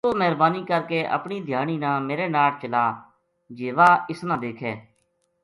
توہ مہربانی کر کے اپنی دھیانی نا میرے ناڑ چلا جی واہ اس نا دیکھے ‘‘